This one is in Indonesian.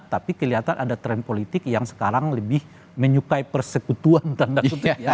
tapi kelihatan ada tren politik yang sekarang lebih menyukai persekutuan tanda kutip ya